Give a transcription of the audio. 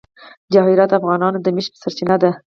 جواهرات د افغانانو د معیشت سرچینه ده.